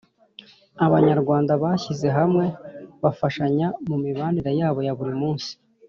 Abanyarwanda bashyize hamwe bafashanya mu mibanire yabo ya buri munsi